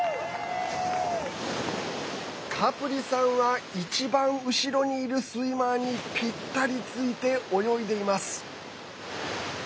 カプリさんは一番後ろにいるスイマーにぴったりついて泳いでいます。